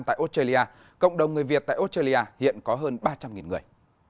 tại australia cộng đồng người việt tại australia hiện có hơn ba trăm linh người